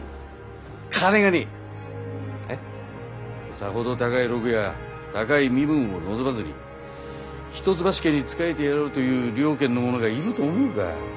さほど高い禄や高い身分を望まずに一橋家に仕えてやろうという了見の者がいると思うか？